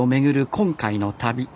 今回の旅。